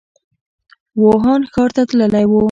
ووهان ښار ته تللی و.